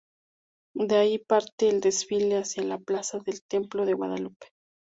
De allí parte el desfile hacia la plaza del templo de Guadalupe.